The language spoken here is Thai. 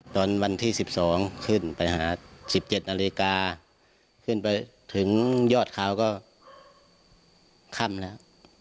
ตอนวันที่สิบสองขึ้นไปหาสิบเจ็ดนาฬิกาขึ้นไปถึงยอดเขาก็ค่ำแล้ว